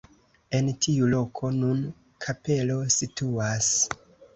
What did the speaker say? En tiu loko nun kapelo situas.